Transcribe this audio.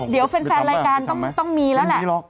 อ๋อเดี๋ยวแฟนแฟนรายการต้องมีแล้วแหละทำไหมไม่มีหรอก